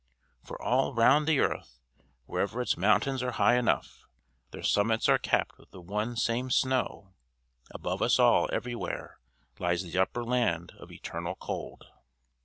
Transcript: For all round the earth wherever its mountains are high enough, their summits are capped with the one same snow: above us all everywhere lies the upper land of eternal cold.